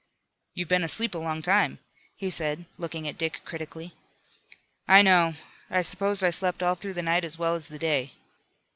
"You've been asleep a long time," he said, looking at Dick critically. "I know it. I suppose I slept all through the night as well as the day."